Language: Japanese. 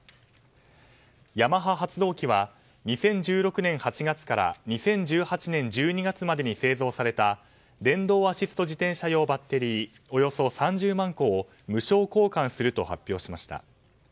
ヤマハ発動機は２０１６年８月から２０１８年１２月までに製造された電動アシスト自転車用バッテリーおよそ３０万個を無償交換すると発表しました。